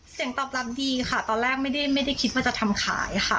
เสียงตอบรับดีค่ะตอนแรกไม่ได้คิดว่าจะทำขายค่ะ